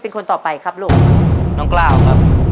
เยี่ยม